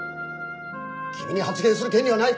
君に発言する権利はない！